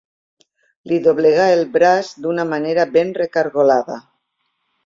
Li doblegà el braç d'una manera ben recargolada.